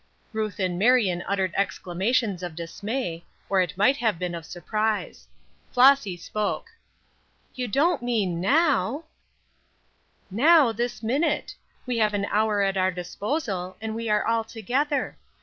Ruth and Marion uttered exclamations of dismay, or it might have been of surprise. Flossy spoke: "You don't mean now?" "Now, this minute. We have an hour at our disposal, and we are all together.